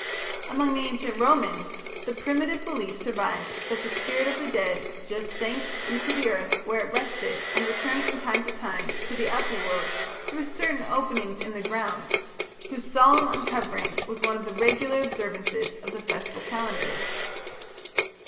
Among the ancient Romans the primitive belief survived that the spirit of the dead "just sank into the earth where it rested, and returned from time to time to the upper world through certain openings in the ground (mundi), whose solemn uncovering was one of the regular observances of the festal calendar".